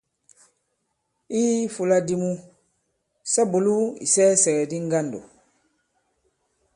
I ifūla di mu, sa bùlu isɛɛsɛ̀gɛ̀di ŋgandò.